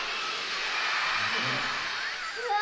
うわ！